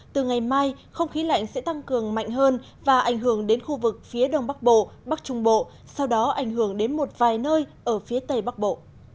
từ ngày mai không khí lạnh sẽ tăng cường mạnh hơn và ảnh hưởng đến khu vực phía đông bắc bộ bắc trung bộ sau đó ảnh hưởng đến một vài nơi ở phía tây bắc bộ